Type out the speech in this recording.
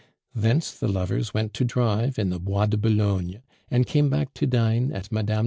Thence the lovers went to drive in the Bois de Boulogne, and came back to dine at Mme.